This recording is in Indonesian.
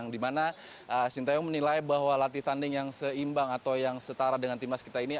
dimana shin taeyong menilai bahwa latih tanding yang seimbang atau yang setara dengan timnas kita ini